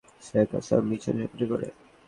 সে একা সব মিশন সম্পুর্ণ করে।